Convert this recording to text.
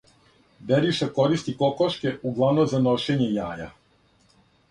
Бериша користи кокошке углавном за ношење јаја.